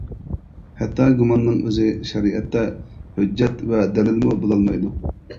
ھەتتا گۇماننىڭ ئۆزى شەرىئەتتە ھۆججەت ۋە دەلىلىمۇ بولالمايدۇ.